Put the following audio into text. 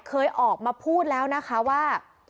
เคยออกมาพูดแล้วนะคะว่า